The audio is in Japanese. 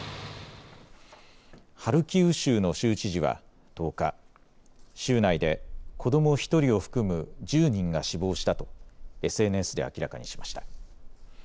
ハルキウ州の州知事は１０日、州内で子ども１人を含む１０人が死亡したとＳＮＳで明らかにしました。